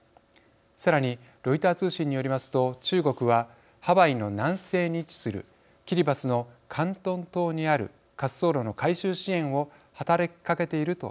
さらにロイター通信によりますと中国はハワイの南西に位置するキリバスのカントン島にある滑走路の改修支援を働きかけているということです。